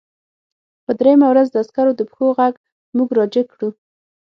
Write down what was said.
په درېیمه ورځ د عسکرو د پښو غږ موږ راجګ کړو